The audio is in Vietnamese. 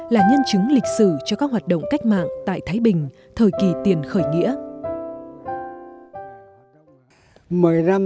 là nhân chứng lịch sử cho các hoạt động cách mạng tại thái bình thời kỳ tiền khởi nghĩa